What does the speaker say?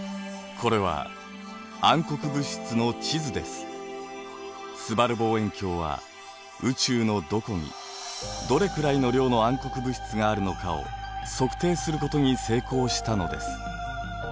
すばる望遠鏡は宇宙のどこにどれくらいの量の暗黒物質があるのかを測定することに成功したのです。